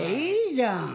いいじゃん。